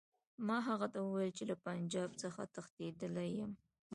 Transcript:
ما هغه ته وویل چې له پنجاب څخه تښتېدلی یم.